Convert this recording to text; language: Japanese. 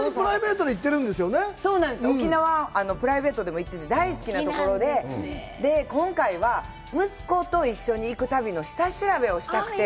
沖縄はプライベートでも行ってて、大好きなところで、今回は息子と一緒に行く旅の下調べをしたくて。